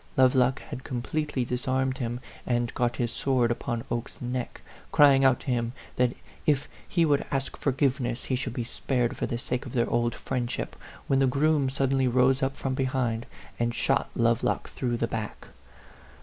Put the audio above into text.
Lovelock had completely dis armed him, and got his sword upon Oke's neck, crying out to him that if he would ask forgiveness he should be spared for the sake of their old friendship, when the groom sud denly rode up from behind, and shot Love lock through the back.